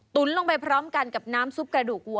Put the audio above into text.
ลงไปพร้อมกันกับน้ำซุปกระดูกวั